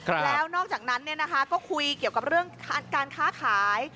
แล้วนอกจากนั้นเนี่ยนะคะก็คุยเกี่ยวกับเรื่องการค้าขาย